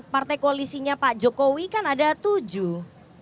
partai koalisinya pak jokowi kan ada tujuh